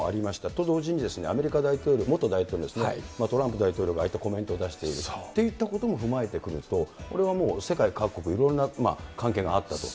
と同時に、アメリカ大統領、元大統領ですね、トランプ大統領がああいったコメントを出しているっていったことも踏まえてくると、これはもう世界各国いろんな関係があったと。